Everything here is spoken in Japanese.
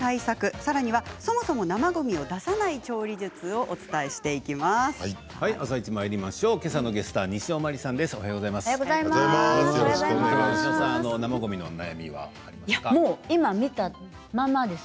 さらには、そもそも生ごみを出さない調理術をけさのゲストは西尾まりさんです。